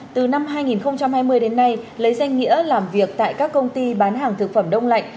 từ năm hai nghìn hai mươi đến nay lấy danh nghĩa làm việc tại các công ty bán hàng thực phẩm đông lạnh